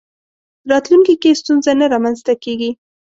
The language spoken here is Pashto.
راتلونکي کې ستونزه نه رامنځته کېږي.